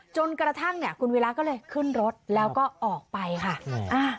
จนกระทั่งคุณวิราชก็เลยขึ้นรถแล้วก็ออกไปค่ะ